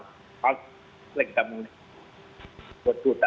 apakah kita akan menggunakan